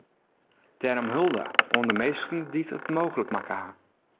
Dêrom hulde oan de minsken dy’t it mooglik makke ha.